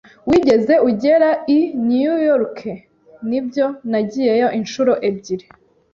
"Wigeze ugera i New York?" "Nibyo, nagiyeyo inshuro ebyiri."